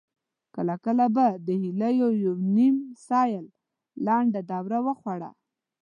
کله کله به د هيليو يوه نيم سېل لنډه دوره وخوړه.